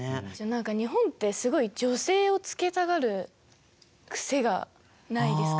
何か日本ってすごい「女性」を付けたがる癖がないですかね？